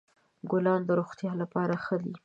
ګلان د روغتیا لپاره ښه دي.